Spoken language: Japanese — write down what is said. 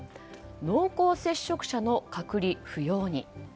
濃厚接触者の隔離不要に。